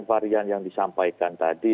varian yang disampaikan tadi